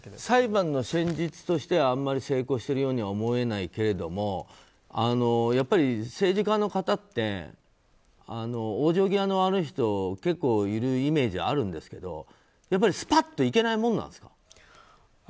裁判の戦術としてはあまり成功しているようには思えないけれどもやっぱり政治家の方って往生際の悪い人結構いるイメージあるんですけどやっぱりスパッといけないものなんですか？